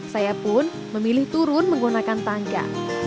saya pun memilih turun menggunakan tangga